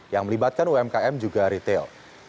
yang melibatkan umkm juga retail